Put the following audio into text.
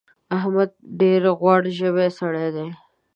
احمد ډېر غوړ ژبی سړی دی.